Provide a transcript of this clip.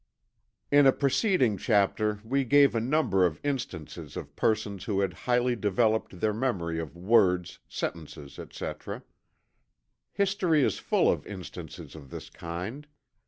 In a preceding chapter we gave a number of instances of persons who had highly developed their memory of words, sentences, etc. History is full of instances of this kind.